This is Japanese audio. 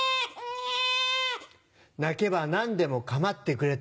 泣けば何でも構ってくれた。